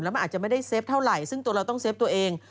มันอาจจะไม่ได้เซฟเท่าไหร่ซึ่งตัวเราต้องเฟฟตัวเอง